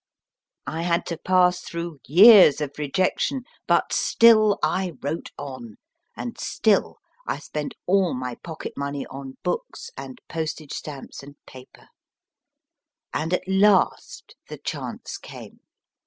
I had to pass through years of rejection, but still I wrote GEORGE R. SIMS 89 on, and still I spent all my pocket money on books, and postage stamps, and paper. And at last the chance came.